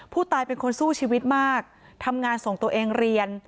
ผู้ตายเป็นคนสู้ชีวิตมากทำงานส่งตัวเองเรียน